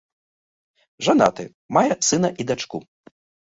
Жанаты, мае сына і дачку.